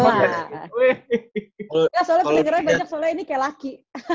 ya soalnya pendengarnya banyak soalnya ini kayak laki